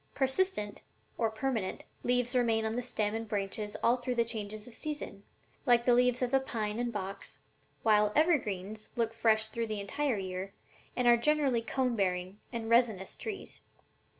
Persistent, or permanent, leaves remain on the stem and branches all through the changes of season, like the leaves of the pine and box, while evergreens look fresh through the entire year and are generally cone bearing and resinous trees.